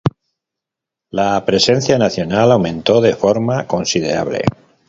La presencia nacional aumentó de forma considerable.